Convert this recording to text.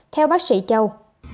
theo bác sĩ châu